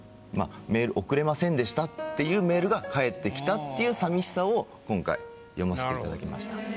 メール送れませんでしたっていうメールが返ってきたっていう寂しさを今回読ませていただきました。